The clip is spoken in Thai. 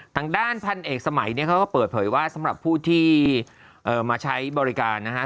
ทางด้านพันเอกสมัยเนี่ยเขาก็เปิดเผยว่าสำหรับผู้ที่มาใช้บริการนะฮะ